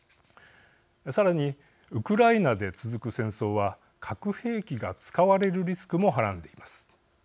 さらに、ウクライナで続く戦争は核兵器が使われるリスクもはらんでいます。